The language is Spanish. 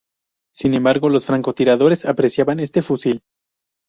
Sin embargo, los francotiradores apreciaban este fusil.